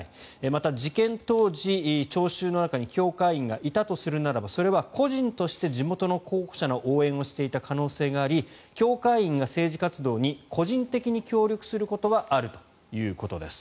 また、事件当時、聴衆の中に教会員がいたとするならばそれは個人として地元の候補者の応援をしていた可能性があり教会員が政治活動に個人的に活動することはあるということです。